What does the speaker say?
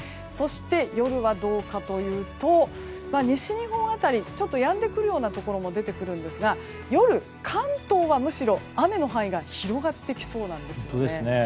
そして、夜はどうかというと西日本辺り、ちょっとやんでくるようなところも出てくるんですが夜、関東はむしろ雨の範囲が広がってきそうなんです。